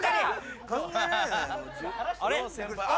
あれ？